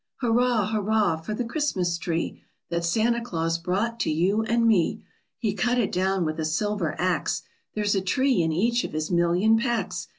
_ Hurrah! Hurrah! for the Christmas tree That Santa Claus brought to you and me! He cut it down with a silver axe There's a tree in each of his million packs!